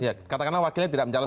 ya katakanlah wakilnya tidak menjalan